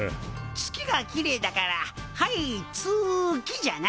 月がきれいだからはいつきじゃな。